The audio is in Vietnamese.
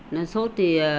nó sốt thì